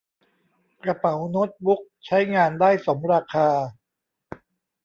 กระเป๋าโน๊ตบุ๊กใช้งานได้สมราคา